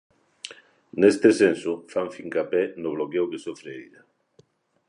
Neste senso, fan fincapé no bloqueo que sofre a illa.